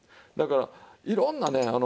だからいろんなね。